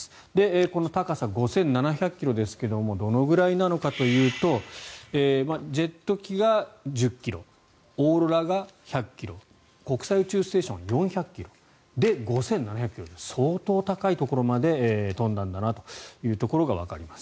この高さ５７００ｋｍですがどのくらいなのかというとジェット機が１０ｋｍオーロラが１００ｋｍ国際宇宙ステーションは４００ｋｍ５７００ｋｍって相当高いところまで飛んだんだなということがわかります。